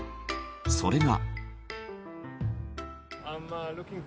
それが。